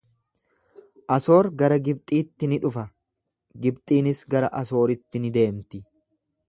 Asoor gara Gibxiitti ni dhufa, Gibxiinis gara Asooritti ni deemti.